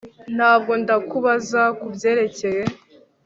Ntabwo ndakubaza kubyerekeye